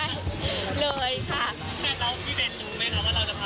แล้วพี่เดนรู้ไหมคะว่าเราจะพาลูกไปเที่ยว